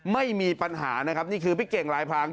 ไม่มีปัญหานะครับนี่คือพี่เก่งลายพราง